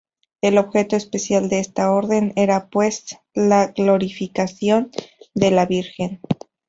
El objeto especial de esta orden era pues la glorificación de la Virgen.